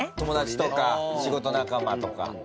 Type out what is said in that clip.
友達とか仕事仲間とか。